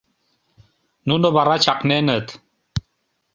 — Нуно вара чакненыт...